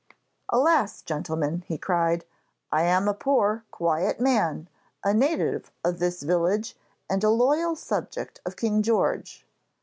'Alas! gentlemen,' he cried; 'I am a poor, quiet man, a native of this village and a loyal subject of King George.'